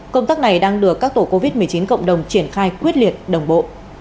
công tác này đang được các tổ covid một mươi chín cộng đồng triển khai quyết liệt đồng bộ